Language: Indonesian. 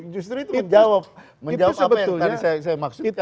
justru itu menjawab apa yang tadi saya maksudkan